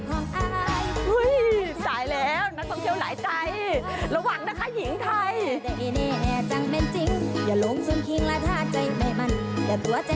โอ้ยสายแล้วนักท่องเที่ยวหลายใจระหว่างนะคะหญิงไทย